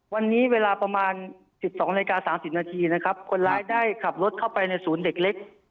วันนี้เวลาประมาณ๑๒นาฬิกา๓๐นาทีนะครับคนร้ายได้ขับรถเข้าไปในศูนย์เด็กเล็ก